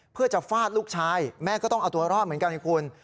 เพื่อจะฟาดลูกชายแม่ก็ต้องเอาตัวรอดเหมือนกันให้คุณ